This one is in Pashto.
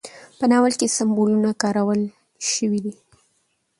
په ناول کې سمبولونه کارول شوي دي.